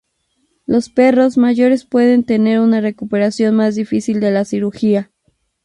Los perros mayores pueden tener una recuperación más difícil de la cirugía.